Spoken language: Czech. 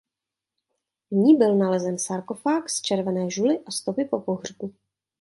V ní byl nalezen sarkofág z červené žuly a stopy po pohřbu.